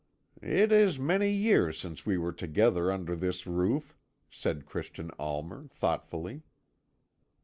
"It is many years since we were together under this roof," said Christian Almer thoughtfully.